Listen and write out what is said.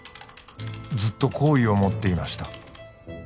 「ずっと好意を持っていました」